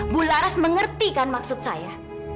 bu laras mengertikan maksud saya